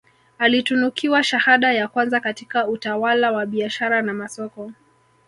Alitunukiwa shahada ya kwanza katika utawala wa biashara na masoko